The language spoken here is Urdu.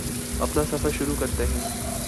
اپنا سفر شروع کرتے ہیں